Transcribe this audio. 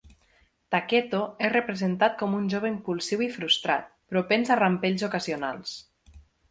Taketo és representat com un jove impulsiu i frustrat, propens a rampells ocasionals.